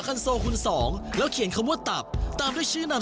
คันโซคุณสองแล้วเขียนคำว่าตับตามด้วยชื่อนำ